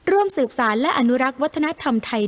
ร่วมสืบสารและอนุรักษ์วัฒนธรรมไทย